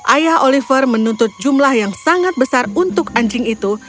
ayah oliver menuntut jumlah yang sangat besar untuk anjing itu